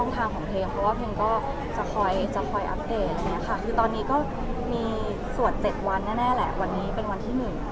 ถ้าเป็นอะไรเค้าก็อยากทำแบบนี้อะไรอย่างนี้ค่ะตอนทุกนี้